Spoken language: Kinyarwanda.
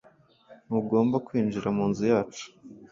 Ntugomba kwinjira munzu yacu